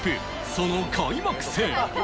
その開幕戦。